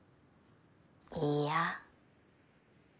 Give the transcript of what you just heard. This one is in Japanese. いいや。